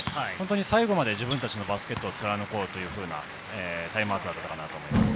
最後まで自分たちのバスケットを貫こうというようなタイムアウトだったかと思います。